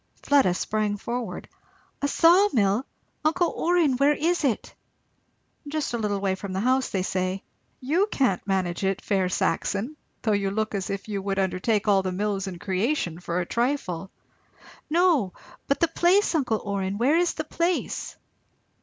Fleda sprang forward. "A saw mill! Uncle Orrin! where is it?" "Just a little way from the house, they say. You can't manage it, fair Saxon! though you look as if you would undertake all the mills in creation, for a trifle." "No but the place, uncle Orrin; where is the place?"